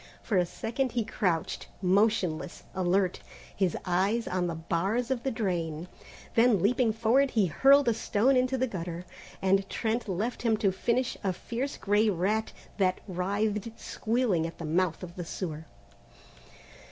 For a second he crouched, motionless, alert, his eyes on the bars of the drain, then leaping forward he hurled a stone into the gutter, and Trent left him to finish a fierce grey rat that writhed squealing at the mouth of the sewer.